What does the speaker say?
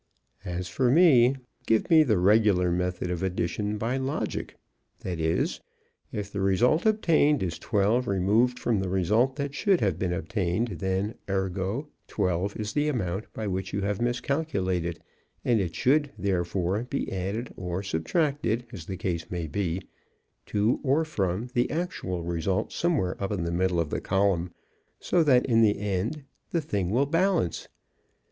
As for me, give me the regular method of addition by logic; that is, if the result obtained is twelve removed from the result that should have been obtained, then, ergo, twelve is the amount by which you have miscalculated and it should, therefore, be added or subtracted, as the case may be, to or from the actual result somewhere up in the middle of the column, so that in the end the thing will balance.